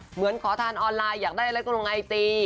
เหมือนขอทานออนไลน์อยากได้อะไรก็ลงไอจี